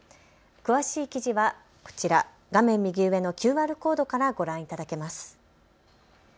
詳しい記事はこちら、画面右上のＱＲコードからご覧いただけます。